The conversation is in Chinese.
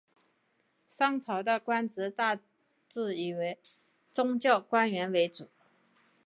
商朝的官职大致以宗教官员为主。